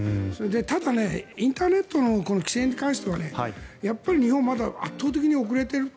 ただ、インターネットの規制に関してはやっぱり日本、まだ圧倒的に遅れている。